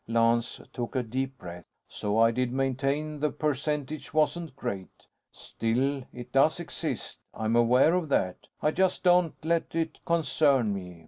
Lance took a deep breath. "So I did maintain the percentage wasn't great. Still, it does exist. I'm aware of that. I just don't let it concern me.